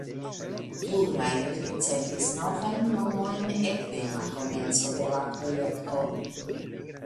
Pluraj ricevis novajn nomojn ekde la komenco de la projekto.